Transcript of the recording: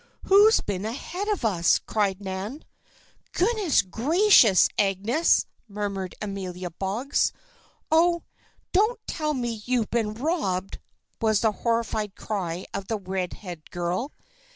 "Who's been ahead of us?" cried Nan. "Goodness gracious Agnes!" murmured Amelia Boggs. "Oh! don't tell me you've been robbed!" was the horrified cry of the red haired girl.